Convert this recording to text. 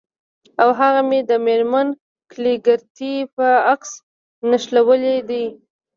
او هغه مې د میرمن کلیګرتي په عکس نښلولي دي